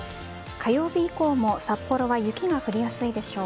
火曜日以降も札幌は雪が降りやすいでしょう。